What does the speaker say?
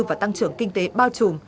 và tăng trưởng kinh tế bao trùm